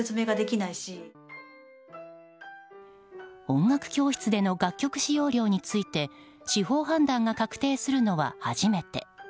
音楽教室での楽曲使用料について司法判断が確定するのは初めて。